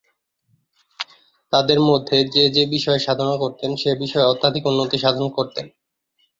তাদের মধ্যে যে যেই বিষয়ে সাধনা করতেন সে সেই বিষয়ে অত্যধিক উন্নতি সাধন করতেন।